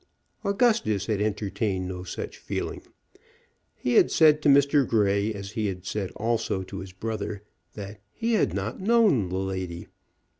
Augustus had entertained no such feeling. He had said to Mr. Grey, as he had said also to his brother, that "he had not known the lady."